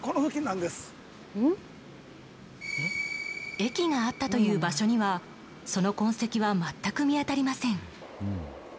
駅があったという場所にはその痕跡は全く見当たりません。